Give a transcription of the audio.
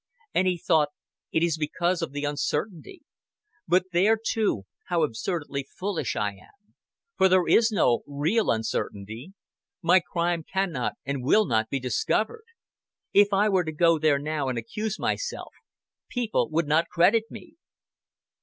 And he thought, "It is because of the uncertainty. But there too, how absurdly fullish I am; for there is no real uncertainty. My crime can not and will not be discovered. If I were to go now and accuse myself, people would not credit me."